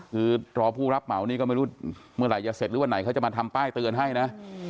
คือรอผู้รับเหมานี่ก็ไม่รู้เมื่อไหร่จะเสร็จหรือวันไหนเขาจะมาทำป้ายเตือนให้นะ